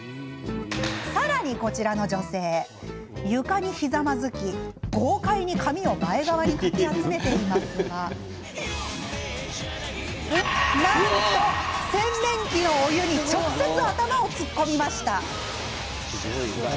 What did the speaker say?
さらに、こちらの女性床にひざまずき、豪快に髪を前側にかき集めていますがなんと、洗面器のお湯に直接、頭を突っ込みました。